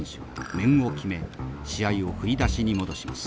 面を決め試合を振り出しに戻します。